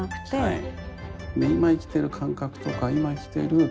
はい。